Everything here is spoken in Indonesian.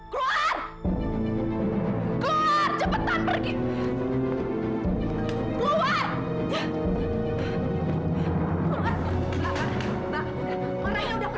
sampai jumpa di video selanjutnya